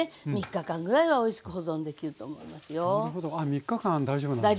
３日間大丈夫なんですね。